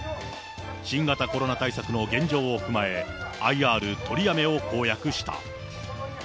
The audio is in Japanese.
新型コロナ対策の現状を踏まえ、ＩＲ取りやめを公約した。